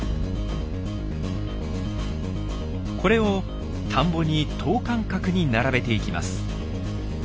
これを田んぼに等間隔に並べていきます。